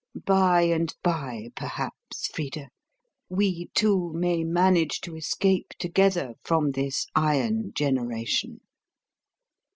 By and by, perhaps, Frida, we two may manage to escape together from this iron generation.